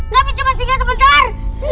kami cuma singa sebentar